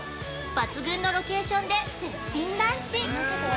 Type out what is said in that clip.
抜群のロケーションで絶品ランチ。